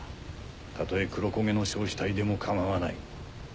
たとえ黒焦げの焼死体でもかまわない。